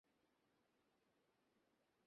নায়েব আদ্যোপান্ত সমস্ত ঘটনা খুলিয়া বলিলেন।